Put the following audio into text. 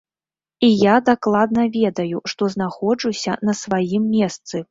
І я дакладна ведаю, што знаходжуся на сваім месцы.